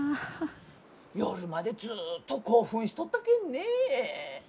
夜までずっと興奮しとったけんね。